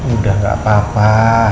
udah gak apa apa